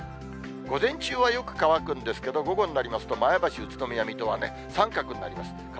午前中はよく乾くんですけれども、午後になりますと、前橋、宇都宮、水戸は三角になります。